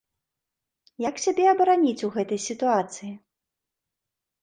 Як сябе абараніць ў гэтай сітуацыі?